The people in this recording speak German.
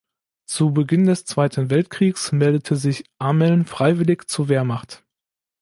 Zu Beginn des Zweiten Weltkriegs meldete sich Ameln freiwillig zur Wehrmacht.